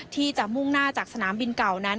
ที่จะมุ่งหน้าจากสนามบินเก่านั้น